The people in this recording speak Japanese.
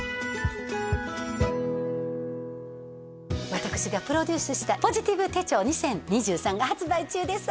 私がプロデュースした「ポジティブ手帳２０２３」が発売中です